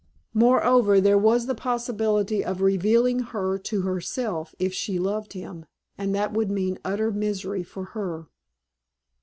Moreover, there was the possibility of revealing her to herself if she loved him, and that would mean utter misery for her.